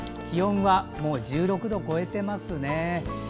気温は１６度を超えていますね。